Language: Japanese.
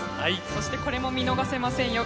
そしてこれも見逃せませんよ。